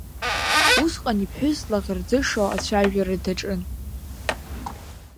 Усҟан иԥҳәыс длаӷырӡышо ацәажәара даҿын.